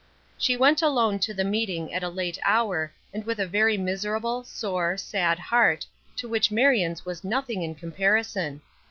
She went alone to the meeting at a late hour, and with a very miserable, sore, sad heart, to which Marion's was nothing in comparison.